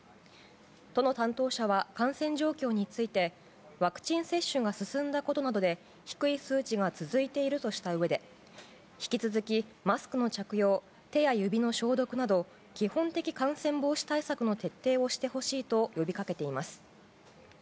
都の担当者は感染状況についてワクチン接種が進んだことなどで低い数値が続いているとしたうえで引き続きマスクの着用手や指の消毒など基本的感染防止対策の徹底をしてほしいと呼びかけています。